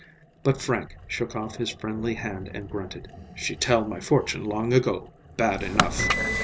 But Frank shook off his friendly hand and grunted, "She tell my fortune long ago; bad enough!"